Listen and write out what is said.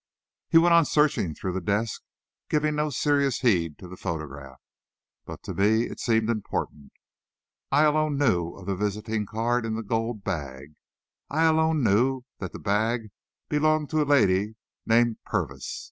He went on searching through the desks, giving no serious heed to the photograph. But to me it seemed important. I alone knew of the visiting card in the gold bag. I alone knew that that bag belonged to a lady named Purvis.